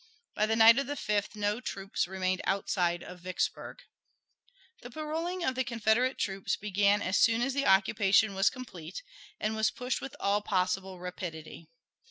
By the night of the 5th no troops remained outside of Vicksburg. The paroling of the Confederate troops began as soon as the occupation was complete, and was pushed with all possible rapidity.